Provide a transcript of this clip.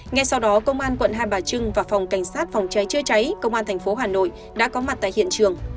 ngay sau đó công an quận hai bà trưng và phòng cảnh sát phòng cháy chưa cháy công an thành phố hà nội đã có mặt tại hiện trường